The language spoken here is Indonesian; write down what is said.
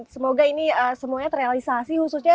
semoga ini semuanya terrealisasi